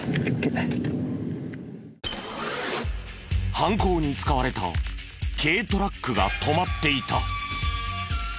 犯行に使われた軽トラックが止まっていた。